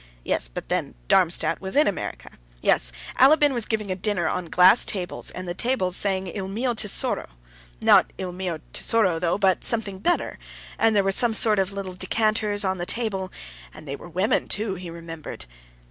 Yes, but then, Darmstadt was in America. Yes, Alabin was giving a dinner on glass tables, and the tables sang, Il mio tesoro—not Il mio tesoro though, but something better, and there were some sort of little decanters on the table, and they were women, too," he remembered.